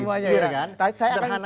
sederhana saja logikanya